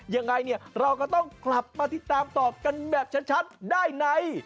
ยังไงเนี่ยเราก็ต้องกลับมาติดตามตอบกันแบบชัดได้ใน